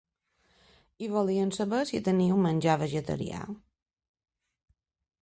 I volíem saber si teniu menjar vegetarià.